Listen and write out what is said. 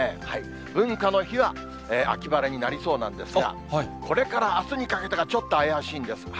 文化の日は秋晴れになりそうなんですが、これからあすにかけてがちょっと怪しいんです。